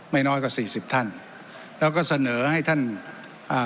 น้อยกว่าสี่สิบท่านแล้วก็เสนอให้ท่านอ่า